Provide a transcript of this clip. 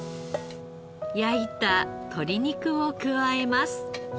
焼いた鶏肉を加えます。